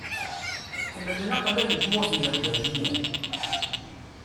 Ḥemmlen aqellal n Tmurt n yeqbayliyen?